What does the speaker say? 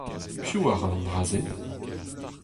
Piv a ra an dra-se ?